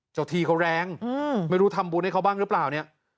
ที่เขาแรงไม่รู้ทำบุญให้เขาบ้างหรือเปล่าเนี่ย